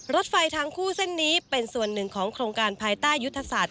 รถไฟทางคู่เส้นนี้เป็นส่วนหนึ่งของโครงการภายใต้ยุทธศาสต